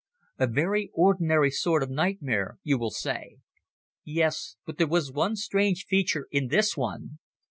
A very ordinary sort of nightmare, you will say. Yes, but there was one strange feature in this one.